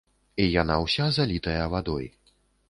І яна ўся залітая вадой.